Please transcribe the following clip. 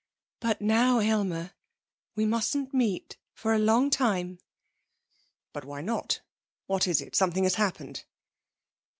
'But now, Aylmer, we mustn't meet, for a long time.' 'But, why not? What is it? Something has happened!'